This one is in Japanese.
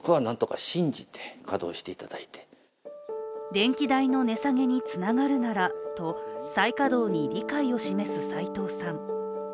電気代の値下げにつながるならと再稼働に理解を示す齋藤さん。